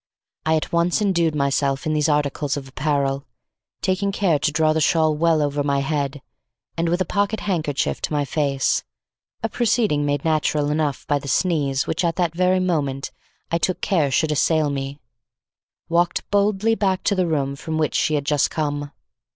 I at once endued myself in these articles of apparel taking care to draw the shawl well over my head and with a pocket handkerchief to my face, (a proceeding made natural enough by the sneeze which at that very moment I took care should assail me) walked boldly back to the room from which she had just come.